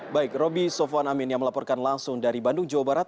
baik roby sofwan amin yang melaporkan langsung dari bandung jawa barat